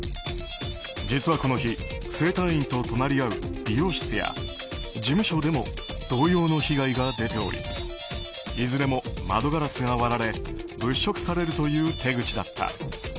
実はこの日整体院と隣り合う美容室や事務所でも同様の被害が出ておりいずれも窓ガラスが割られ物色されるという手口だった。